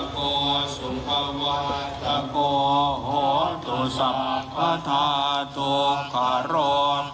ขออนุญาตเดินเฉินทั้งสิบท่านครับ